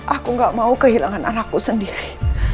aku gak mau kehilangan anakku sendiri